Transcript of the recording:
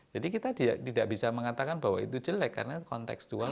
jadi kita tidak bisa mengatakan bahwa itu jelek karena konteks dual